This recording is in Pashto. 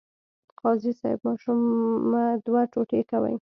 قاضي صیب ماشوم مه دوه ټوټې کوئ.